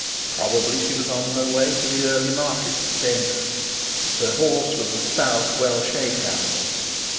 Probably she was on her way to the early market at Zenda. Her horse was a stout, well shaped animal.